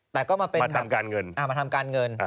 มาทำการเงินใช่แบบนั้นใช่แบบนั้นใช่แบบนั้นใช่แบบนั้น